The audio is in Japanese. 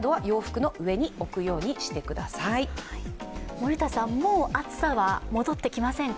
森田さん、もう暑さは戻ってきませんか？